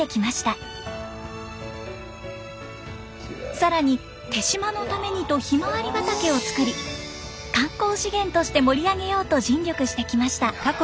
更に手島のためにとひまわり畑を作り観光資源として盛り上げようと尽力してきました。